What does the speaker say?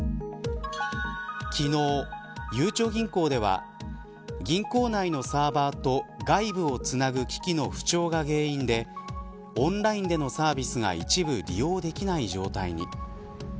昨日、ゆうちょ銀行では銀行内のサーバーと外部をつなぐ機器の不調が原因でオンラインでのサービスが一部、利用できない状態に。